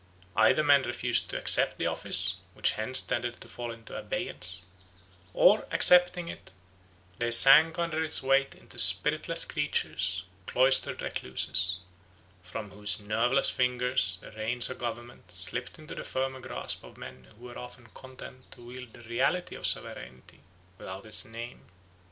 Either men refused to accept the office, which hence tended to fall into abeyance; or accepting it, they sank under its weight into spiritless creatures, cloistered recluses, from whose nerveless fingers the reins of government slipped into the firmer grasp of men who were often content to wield the reality of sovereignty without its name.